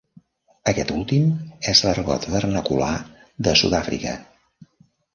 Aquest últim és l'argot vernacular de Sud-àfrica.